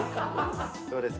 どうですか？